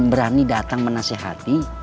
berani datang menasehati